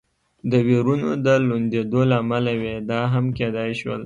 د وېرونو د لوندېدو له امله وي، دا هم کېدای شول.